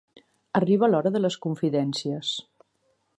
Arriba l'hora de les confidències.